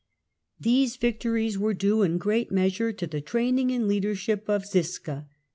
These victories were due in great measure to theZiska's training and leadership of Ziska.